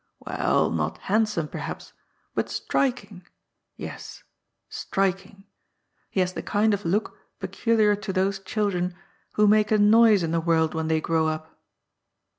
^^ Well, not handsome, perhaps, but striking. Yes, strik ing. He has the kind of look peculiar to those children who make a noise in the world when they grow up."